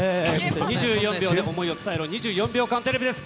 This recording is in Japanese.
２４秒で想いを伝えろ、２４秒間テレビです。